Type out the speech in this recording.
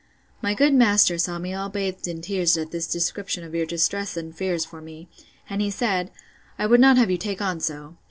My good master saw me all bathed in tears at this description of your distress and fears for me; and he said, I would not have you take on so.